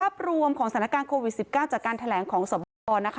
ทรัพย์รวมของสถานการณ์โควิด๑๙จากการแถลงของสวรรค์